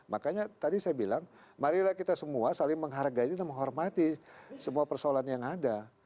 makanya tadi saya bilang marilah kita semua saling menghargai dan menghormati semua persoalan yang ada